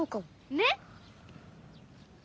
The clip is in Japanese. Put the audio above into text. ねっ！